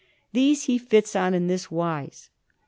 These he fits on in this wise.